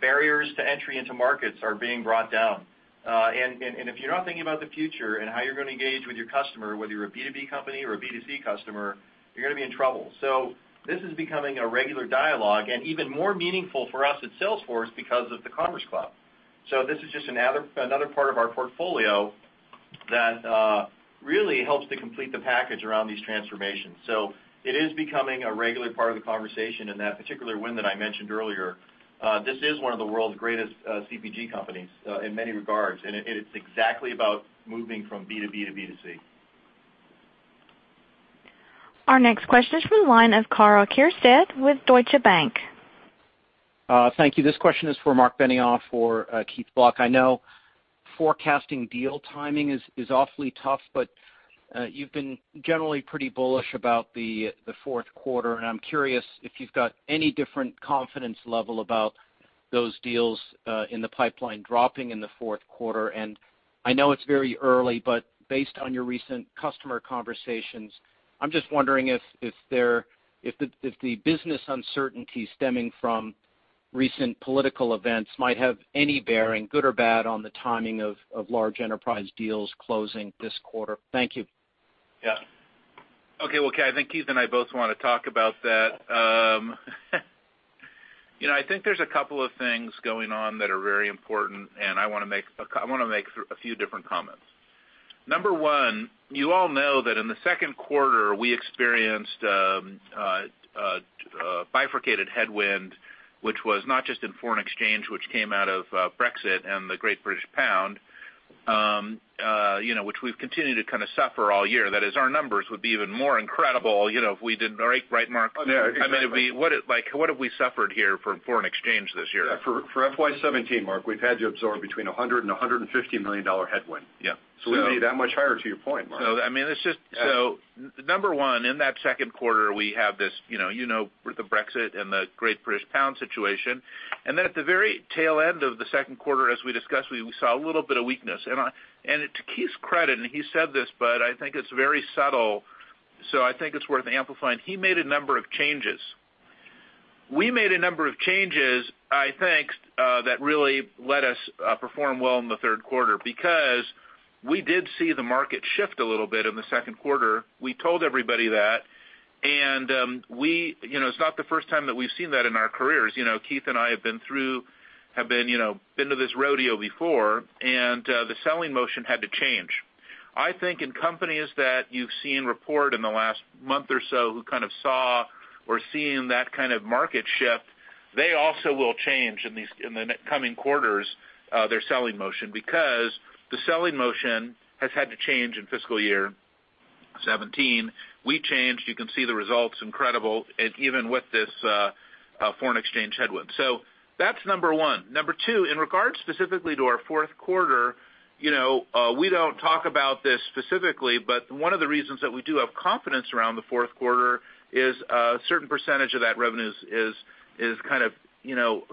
Barriers to entry into markets are being brought down. If you're not thinking about the future and how you're going to engage with your customer, whether you're a B2B company or a B2C customer, you're going to be in trouble. This is becoming a regular dialogue, and even more meaningful for us at Salesforce because of the Commerce Cloud. This is just another part of our portfolio that really helps to complete the package around these transformations. It is becoming a regular part of the conversation, and that particular win that I mentioned earlier, this is one of the world's greatest CPG companies, in many regards, and it's exactly about moving from B2B to B2C. Our next question is from the line of Karl Keirstad with Deutsche Bank. Thank you. This question is for Marc Benioff or Keith Block. I know forecasting deal timing is awfully tough, you've been generally pretty bullish about the fourth quarter, and I'm curious if you've got any different confidence level about those deals in the pipeline dropping in the fourth quarter. I know it's very early, but based on your recent customer conversations, I'm just wondering if the business uncertainty stemming from recent political events might have any bearing, good or bad, on the timing of large enterprise deals closing this quarter. Thank you. Yeah. Okay, well, I think Keith and I both want to talk about that. I think there's a couple of things going on that are very important, and I want to make a few different comments. Number one, you all know that in the second quarter, we experienced a bifurcated headwind, which was not just in foreign exchange, which came out of Brexit and the great British pound, which we've continued to kind of suffer all year. That is, our numbers would be even more incredible, if we didn't, right, Marc? Yeah, exactly. What have we suffered here from foreign exchange this year? For FY 2017, Marc, we've had to absorb between $100 million-$150 million headwind. Yeah. We would be that much higher to your point, Marc. Number one, in that second quarter, we have this, you know the Brexit and the great British pound situation. At the very tail end of the second quarter, as we discussed, we saw a little bit of weakness. To Keith's credit, and he said this, but I think it's very subtle, so I think it's worth amplifying. He made a number of changes. We made a number of changes, I think, that really let us perform well in the third quarter because we did see the market shift a little bit in the second quarter. We told everybody that, and it's not the first time that we've seen that in our careers. Keith and I have been to this rodeo before, and the selling motion had to change. I think in companies that you've seen report in the last month or so who kind of saw or seeing that kind of market shift, they also will change, in the coming quarters, their selling motion because the selling motion has had to change in fiscal year 2017. We changed. You can see the results, incredible, even with this foreign exchange headwind. That's number one. Number two, in regards specifically to our fourth quarter, we don't talk about this specifically, but one of the reasons that we do have confidence around the fourth quarter is a certain percentage of that revenue is kind of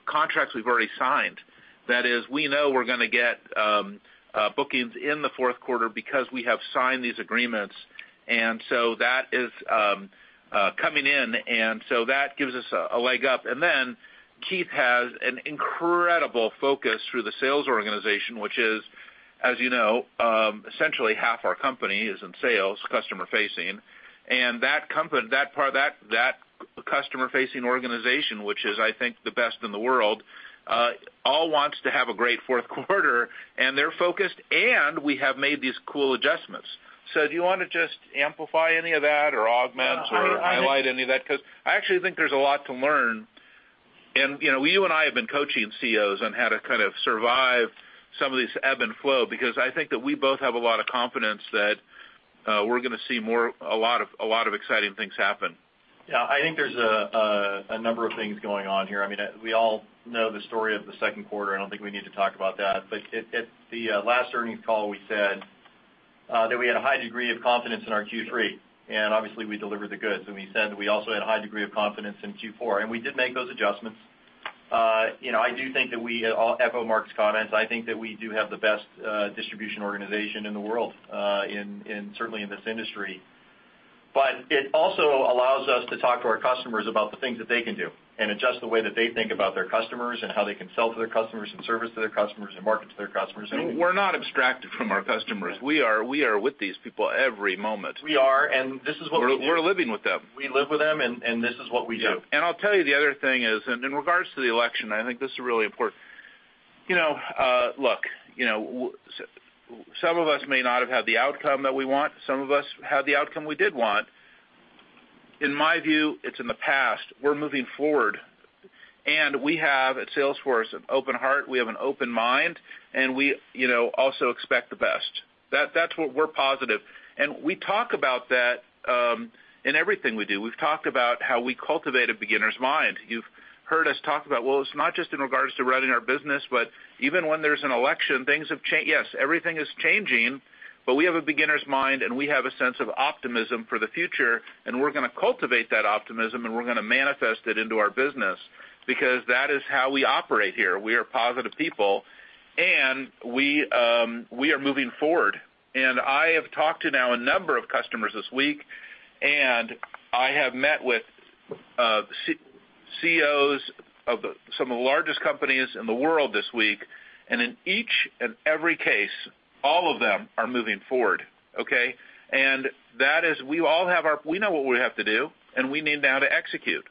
contracts we've already signed. That is, we know we're going to get bookings in the fourth quarter because we have signed these agreements, and so that is coming in, and so that gives us a leg up. Keith has an incredible focus through the sales organization, which is, as you know, essentially half our company is in sales, customer facing. That customer-facing organization, which is, I think, the best in the world, all wants to have a great fourth quarter, and they're focused, and we have made these cool adjustments. Do you want to just amplify any of that or augment or highlight any of that? Because I actually think there's a lot to learn. You and I have been coaching CEOs on how to kind of survive some of these ebb and flow, because I think that we both have a lot of confidence that we're going to see a lot of exciting things happen. I think there's a number of things going on here. We all know the story of the second quarter. I don't think we need to talk about that. At the last earnings call, we said that we had a high degree of confidence in our Q3, obviously, we delivered the goods. We said that we also had a high degree of confidence in Q4, and we did make those adjustments. I do think that I'll echo Marc's comments. I think that we do have the best distribution organization in the world, certainly in this industry. It also allows us to talk to our customers about the things that they can do and adjust the way that they think about their customers and how they can sell to their customers and service to their customers and market to their customers. We're not abstracted from our customers. We are with these people every moment. We are, and this is what we do. We're living with them. We live with them, and this is what we do. I'll tell you the other thing is, in regards to the election, I think this is really important. Look, some of us may not have had the outcome that we want. Some of us had the outcome we did want. In my view, it's in the past. We're moving forward, we have, at Salesforce, an open heart, we have an open mind, we also expect the best. That's what we're positive. We talk about that in everything we do. We've talked about how we cultivate a beginner's mind. You've heard us talk about, well, it's not just in regards to running our business, but even when there's an election, things have changed. Yes, everything is changing, we have a beginner's mind, we have a sense of optimism for the future, we're going to cultivate that optimism, we're going to manifest it into our business. That is how we operate here. We are positive people, and we are moving forward. I have talked to now a number of customers this week, and I have met with CEOs of some of the largest companies in the world this week, and in each and every case, all of them are moving forward, okay. We know what we have to do, and we need now to execute.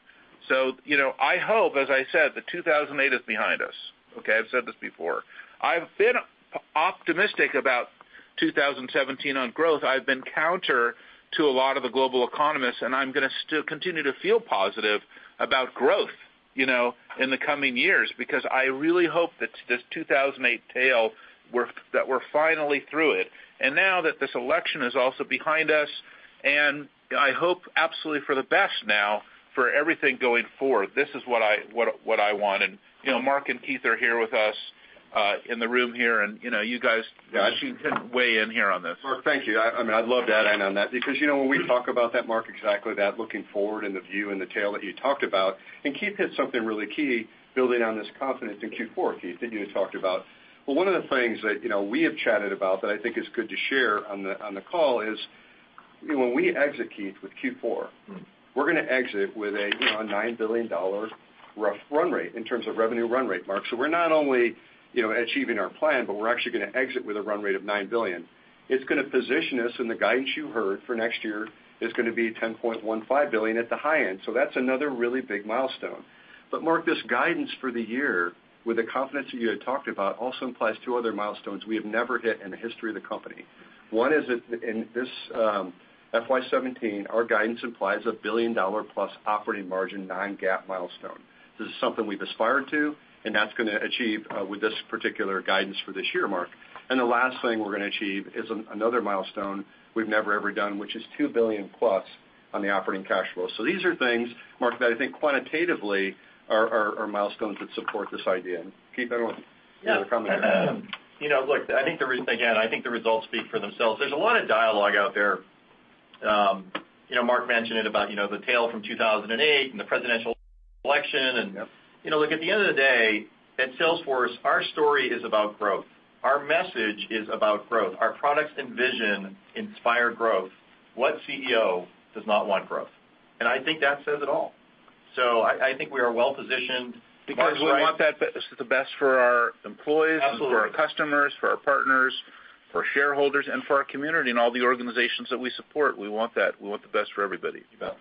I hope, as I said, that 2008 is behind us, okay. I've said this before. I've been optimistic about 2017 on growth. I've been counter to a lot of the global economists, and I'm going to still continue to feel positive about growth in the coming years, because I really hope that this 2008 tail, that we're finally through it. Now that this election is also behind us, and I hope absolutely for the best now for everything going forward. This is what I want, and Mark and Keith are here with us in the room here, and you guys should weigh in here on this. Mark, thank you. I'd love to add in on that because when we talk about that, Mark, exactly that, looking forward and the view and the tail that you talked about, and Keith hit something really key, building on this confidence in Q4, Keith, that you had talked about. Well, one of the things that we have chatted about that I think is good to share on the call is, when we exit, Keith, with Q4, we're going to exit with a $9 billion rough run rate in terms of revenue run rate, Mark. We're not only achieving our plan, but we're actually going to exit with a run rate of $9 billion. It's going to position us, and the guidance you heard for next year is going to be $10.15 billion at the high end. That's another really big milestone. Mark, this guidance for the year with the confidence that you had talked about also implies two other milestones we have never hit in the history of the company. One is that in this FY 2017, our guidance implies a billion-dollar-plus operating margin non-GAAP milestone. This is something we've aspired to, and that's going to achieve with this particular guidance for this year, Mark. The last thing we're going to achieve is another milestone we've never, ever done, which is $2 billion plus on the operating cash flow. These are things, Mark, that I think quantitatively are milestones that support this idea. Keith, I don't know if you want to comment on that. Yeah. Again, I think the results speak for themselves. There's a lot of dialogue out there. Mark mentioned it about the tail from 2008 and the presidential election. Look, at the end of the day, at Salesforce, our story is about growth. Our message is about growth. Our products and vision inspire growth. What CEO does not want growth? I think that says it all. I think we are well-positioned because- Mark, we want the best for our employees- Absolutely for our customers, for our partners, for shareholders, and for our community and all the organizations that we support. We want that. We want the best for everybody. You bet.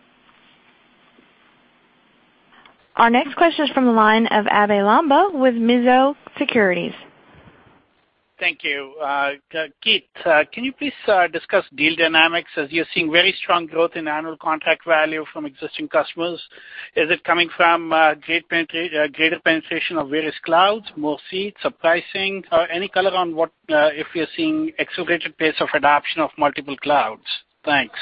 Our next question is from the line of Abhey Lamba with Mizuho Securities. Thank you. Keith, can you please discuss deal dynamics, as you're seeing very strong growth in annual contract value from existing customers. Is it coming from greater penetration of various clouds, more seats, or pricing? Any color on if you're seeing accelerated pace of adoption of multiple clouds. Thanks.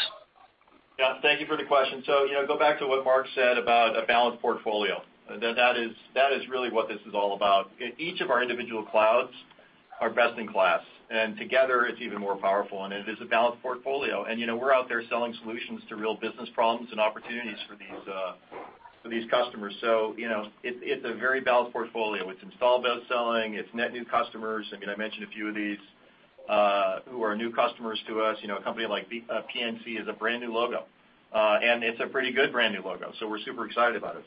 Yeah, thank you for the question. Go back to what Mark said about a balanced portfolio. That is really what this is all about. Each of our individual clouds are best in class, and together, it's even more powerful, and it is a balanced portfolio. We're out there selling solutions to real business problems and opportunities for these customers. It's a very balanced portfolio. It's install-based selling, it's net new customers. I mentioned a few of these who are new customers to us. A company like PNC is a brand new logo, and it's a pretty good brand new logo, so we're super excited about it.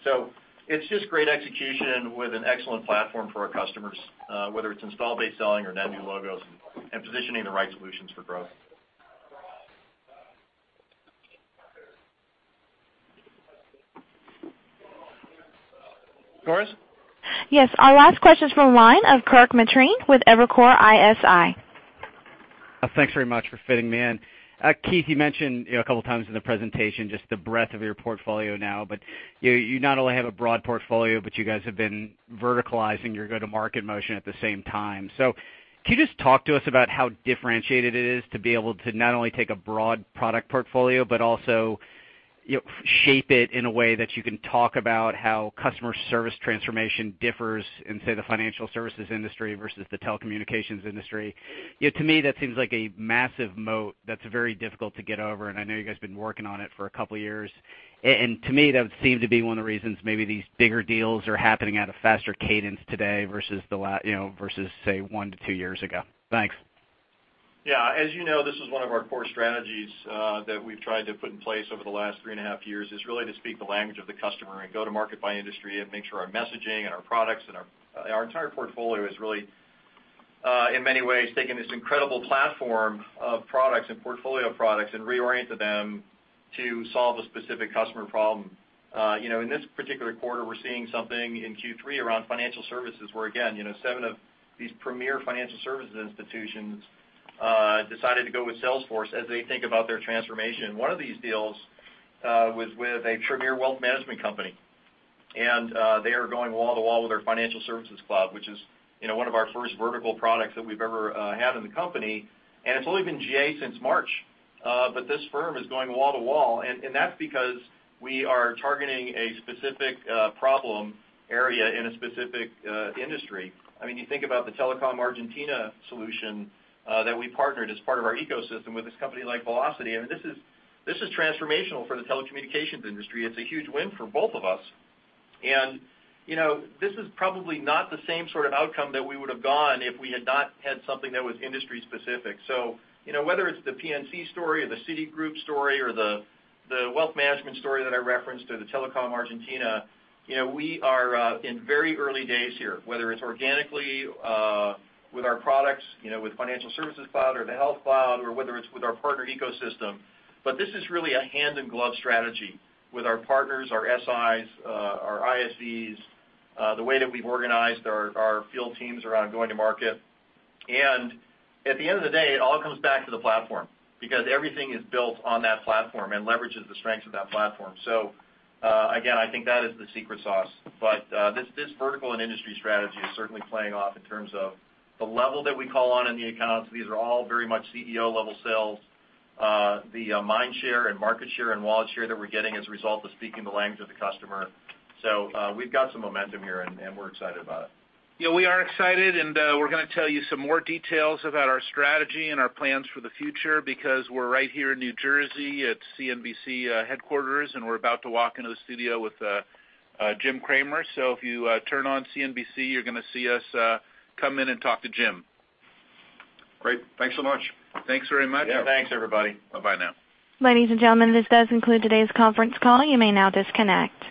It's just great execution with an excellent platform for our customers, whether it's install-based selling or net new logos and positioning the right solutions for growth. Doris? Yes. Our last question is from the line of Kirk Materne with Evercore ISI. Thanks very much for fitting me in. Keith, you mentioned a couple of times in the presentation, just the breadth of your portfolio now, but you not only have a broad portfolio, but you guys have been verticalizing your go-to-market motion at the same time. Can you just talk to us about how differentiated it is to be able to not only take a broad product portfolio, but also shape it in a way that you can talk about how customer service transformation differs in, say, the financial services industry versus the telecommunications industry? To me, that seems like a massive moat that's very difficult to get over, and I know you guys have been working on it for a couple of years. To me, that would seem to be one of the reasons maybe these bigger deals are happening at a faster cadence today versus, say, 1 to 2 years ago. Thanks. As you know, this is one of our core strategies that we've tried to put in place over the last three and a half years, is really to speak the language of the customer and go to market by industry and make sure our messaging and our products and our entire portfolio is really, in many ways, taking this incredible platform of products and portfolio products and reoriented them to solve a specific customer problem. In this particular quarter, we're seeing something in Q3 around financial services where, again, seven of these premier financial services institutions decided to go with Salesforce as they think about their transformation. One of these deals was with a premier wealth management company, and they are going wall to wall with our Financial Services Cloud, which is one of our first vertical products that we've ever had in the company. It's only been GA since March, but this firm is going wall to wall, and that's because we are targeting a specific problem area in a specific industry. You think about the Telecom Argentina solution that we partnered as part of our ecosystem with this company like Velocity. I mean, this is transformational for the telecommunications industry. It's a huge win for both of us. This is probably not the same sort of outcome that we would have gotten if we had not had something that was industry-specific. Whether it's the PNC story or the Citigroup story or the wealth management story that I referenced, or the Telecom Argentina, we are in very early days here, whether it's organically with our products, with Financial Services Cloud or the Health Cloud, or whether it's with our partner ecosystem. This is really a hand-in-glove strategy with our partners, our SIs, our ISVs, the way that we've organized our field teams around going to market. At the end of the day, it all comes back to the platform because everything is built on that platform and leverages the strengths of that platform. Again, I think that is the secret sauce. This vertical and industry strategy is certainly playing off in terms of the level that we call on in the accounts. These are all very much CEO-level sales. The mind share and market share and wallet share that we're getting as a result of speaking the language of the customer. We've got some momentum here, and we're excited about it. Yeah, we are excited, and we're going to tell you some more details about our strategy and our plans for the future because we're right here in New Jersey at CNBC headquarters, and we're about to walk into the studio with Jim Cramer. If you turn on CNBC, you're going to see us come in and talk to Jim. Great. Thanks so much. Thanks very much. Yeah, thanks, everybody. Bye now. Ladies and gentlemen, this does conclude today's conference call. You may now disconnect.